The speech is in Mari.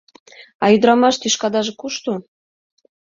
А ӱдырамаш тӱшкадаже кушто?